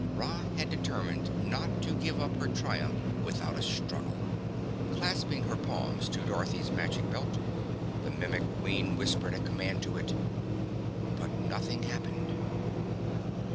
Ra had determined not to give up her triumph without a struggle. Clasping her palms to Dorothy's Magic Belt, the Mimic Queen whispered a command to it. But nothing happened.